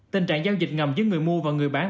tình trạng giao dịch ngầm giữa người mua và người bán